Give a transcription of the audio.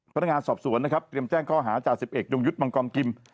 พนักงานสอบสวนเตรียมแจ้งข้ออาจารย์๑๑ยกยุทธ์บังกลมกิม